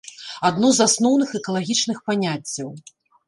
Адно з асноўных экалагічных паняццяў.